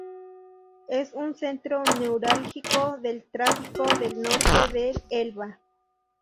Es un centro neurálgico del tráfico al norte del Elba.